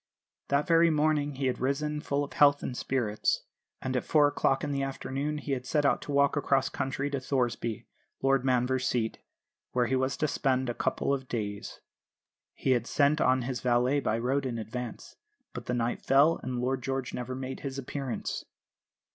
That very morning he had risen full of health and spirits, and at four o'clock in the afternoon had set out to walk across country to Thoresby, Lord Manvers' seat, where he was to spend a couple of days. He had sent on his valet by road in advance; but the night fell, and Lord George never made his appearance.